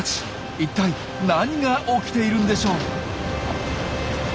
一体何が起きているんでしょう。